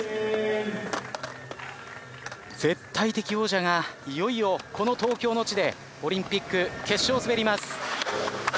絶対的王者がいよいよこの東京の地でオリンピック決勝を滑ります。